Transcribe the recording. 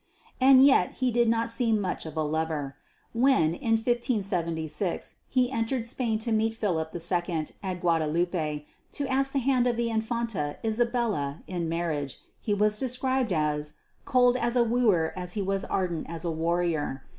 And yet he did not seem much of a lover. When, in 1576, he entered Spain to meet Philip II at Guadaloupe to ask the hand of the Infanta Isabella in marriage, he was described as "cold as a wooer as he was ardent as a warrior."